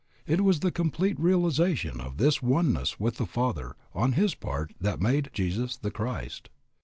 It was the complete realization of this oneness with the Father on his part that made Jesus the Christ.